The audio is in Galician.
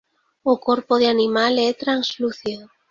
O corpo de animal é translúcido.